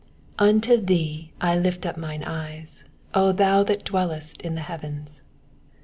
UNTO thee lift I up mine eyes, O thou that dwellest in the heavens.